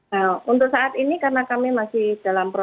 nah untuk saat ini karena kami masih dalam proses penyelidikan terhadap pelaku